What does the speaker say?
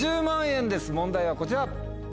問題はこちら！